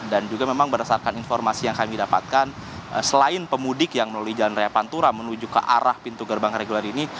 dan juga memang berdasarkan informasi yang kami dapatkan selain pemudik yang melalui jalan raya pantura menuju ke arah pintu gerbang reguler ini